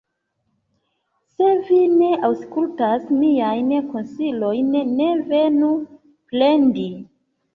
Se vi ne aŭskultas miajn konsilojn, ne venu plendi.